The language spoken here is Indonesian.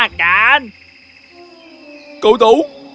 kami akan menemukan telurmu